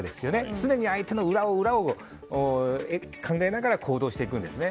常に相手の裏を裏を考えながら行動していくんですね。